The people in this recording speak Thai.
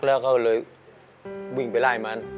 แล้วก็เลยวิ่งไปไล่มัน